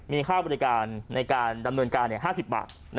มีค่าบริการในการดำเนินการ๕๐บาท